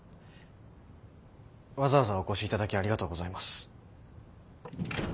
わざわざお越しいただきありがとうございます。